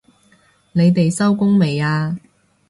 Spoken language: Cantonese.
你哋收工未啊？